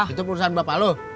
itu perusahaan bapak lo